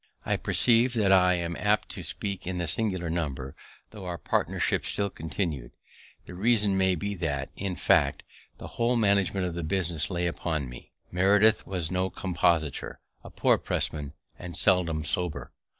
I perceive that I am apt to speak in the singular number, though our partnership still continu'd; the reason may be that, in fact, the whole management of the business lay upon me. Meredith was no compositor, a poor pressman, and seldom sober.